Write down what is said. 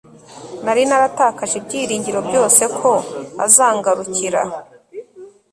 nari naratakaje ibyiringiro byose ko azangarukira